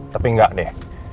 tapi enggak deh